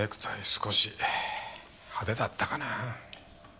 少し派手だったかな。